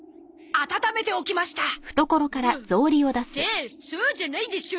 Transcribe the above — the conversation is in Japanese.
ってそうじゃないでしょ。